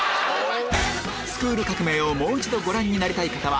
『スクール革命！』をもう一度ご覧になりたい方は